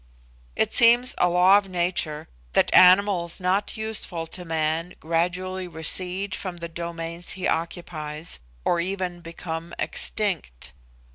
It seems a law of nature that animals not useful to man gradually recede from the domains he occupies, or even become extinct.